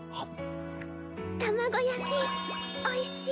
卵焼きおいしい？